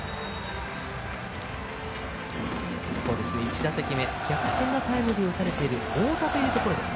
１打席目逆転のタイムリーを打たれている太田というところで。